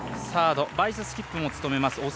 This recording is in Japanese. サード、バイス・スキップも務めます